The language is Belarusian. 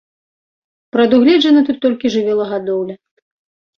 Прадугледжана тут толькі жывёлагадоўля.